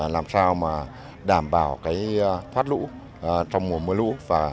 làm sao đảm bảo thoát lũ trong mùa mưa lũ